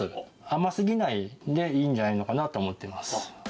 甘すぎないので、いいんじゃないかなと思ってます。